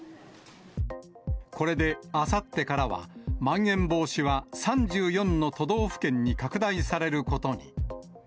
これであさってからは、まん延防止は３４の都道府県に拡大されることに。